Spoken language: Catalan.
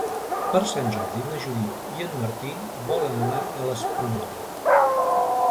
Per Sant Jordi na Judit i en Martí volen anar a l'Espunyola.